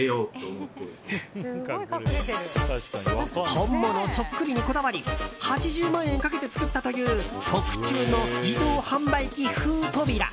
本物そっくりにこだわり８０万円かけて作ったという特注の自動販売機風扉。